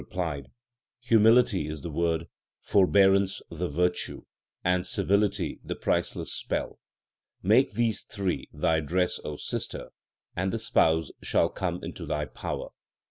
104 THE SIKH RELIGION The Guru replied : Humility is the word, forbearance the virtue, and civility the priceless spell. Make these three 1 thy dress, O sister, and the Spouse shall come into thy power.